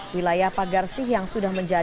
wilayah pagar sih yang sudah menjelaskan